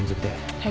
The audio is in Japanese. はい。